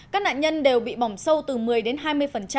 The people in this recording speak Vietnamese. các nạn nhân đều bị bỏng sâu từ một mươi đến hai mươi